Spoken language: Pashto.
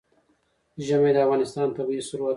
ژمی د افغانستان طبعي ثروت دی.